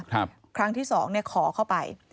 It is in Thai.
ครับครั้งที่สองขอเข้าไป